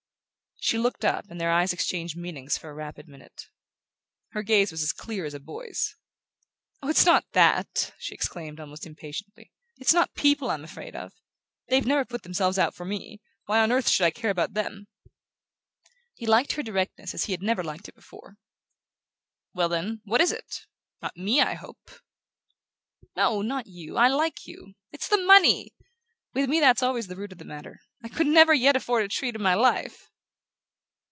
She looked up, and their eyes exchanged meanings for a rapid minute. Her gaze was as clear as a boy's. "Oh, it's not THAT," she exclaimed, almost impatiently; "it's not people I'm afraid of! They've never put themselves out for me why on earth should I care about them?" He liked her directness as he had never liked it before. "Well, then, what is it? Not ME, I hope?" "No, not you: I like you. It's the money! With me that's always the root of the matter. I could never yet afford a treat in my life!"